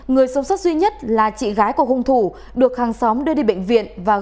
người sống sát duy nhất là chị gái của hung thủ được hàng xóm đưa đi bệnh